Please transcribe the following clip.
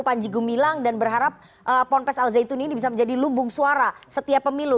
panji gumilang dan berharap ponpes al zaitun ini bisa menjadi lumbung suara setiap pemilu